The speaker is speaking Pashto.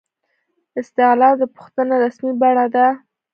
استعلام د پوښتنې رسمي بڼه ده